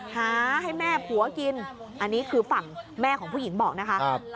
หาให้แม่ผัวกินอันนี้คือฝั่งแม่ของผู้หญิงบอกนะคะ